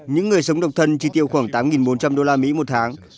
những người sống độc thân chỉ tiêu khoảng tám bốn trăm linh đô la mỹ một tháng